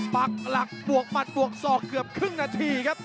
ปักหลักบวกหมัดบวกศอกเกือบครึ่งนาทีครับ